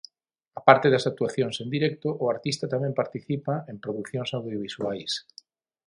Aparte das actuacións en directo, o artista tamén participa en producións audiovisuais.